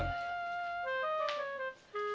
aduh pak haji